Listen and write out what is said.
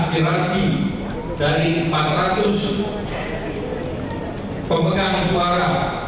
aspirasi dari empat ratus pemegang suara